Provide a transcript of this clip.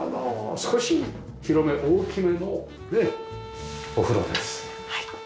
少し広め大きめのねお風呂です。